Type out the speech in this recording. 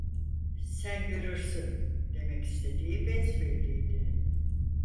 "Sen görürsün!" demek istediği besbelliydi.